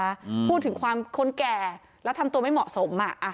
พูดถึงความคนแก่แล้วทำตัวไม่เหมาะสมอ่ะ